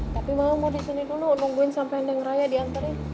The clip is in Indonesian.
tapi mau disini dulu nungguin sampe ndeng raya diantarin